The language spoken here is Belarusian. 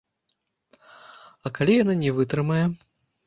А калі яна не вытрымае?